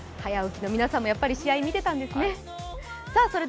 早起きの皆さんも、やっぱり試合、見てたんですね。